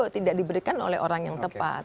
tidak diberikan oleh orang yang tepat